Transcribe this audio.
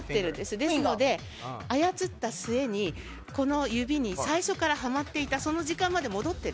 ですので操った末にこの指に最初からはまっていたその時間まで戻っている。